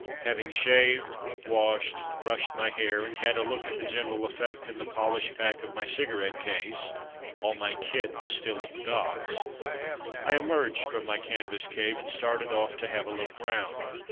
Having shaved, washed, brushed my hair, and had a look at the general effect in the polished back of my cigarette case (all my kit was still at the docks), I emerged from my canvas cave and started off to have a look round.